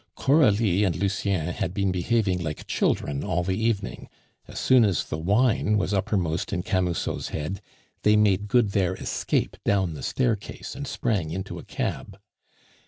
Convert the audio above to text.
Coralie and Lucien had been behaving like children all the evening; as soon as the wine was uppermost in Camusot's head, they made good their escape down the staircase and sprang into a cab.